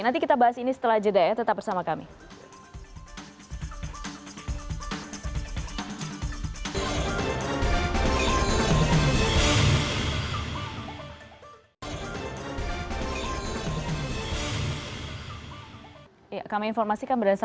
nanti kita bahas ini setelah jeda ya tetap bersama kami